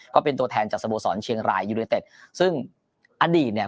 ก็เป็นตัวแทนจากสโมสรเชียงรายยูเนเต็ดซึ่งอดีตเนี่ย